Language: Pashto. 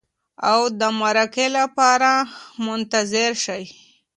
او د مرکې لپاره منتظر شئ.